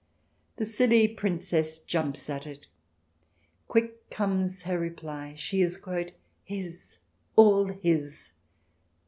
The silly Princess jumps at it. Quick comes her reply, she is " his, all his."